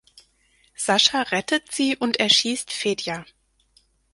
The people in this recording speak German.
Sascha rettet sie und erschießt Fedja.